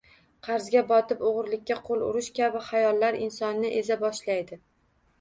Qarzga botib oʻgʻrilikka qoʻl urish kabi xayollar insonni eza boshlaydi